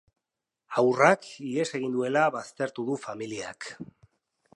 Haurrak ihes egin duela baztertu du familiak.